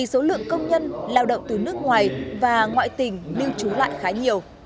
số lượng công nhân lao động từ nước ngoài và ngoại tỉnh lưu trú lại khá nhiều